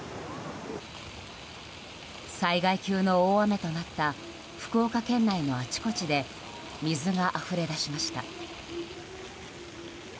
災害級の大雨となった福岡県内のあちこちで水があふれ出しました。